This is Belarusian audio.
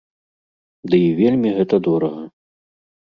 Ды і вельмі гэта дорага.